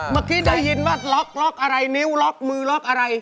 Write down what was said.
เมื่อกี้ได้ยินว่าล็อกล็อกอะไรนิ้วล็อกมือล็อกอะไร